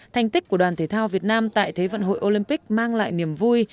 thành tích của đoàn thể thao việt nam tại thế vận hội olympic mang lại niềm vui